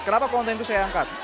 kenapa konten itu saya angkat